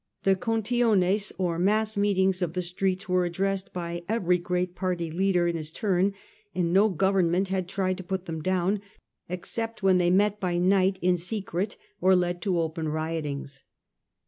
The contiones or mass meetings of the streets were addressed by every great party leader 3^ in his turn, and no government had tried to assembly, put them down, except when they met by night in secret or led to open riotings.